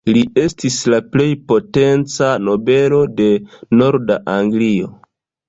Li estis la plej potenca nobelo de norda Anglio.